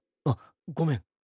あっごめん。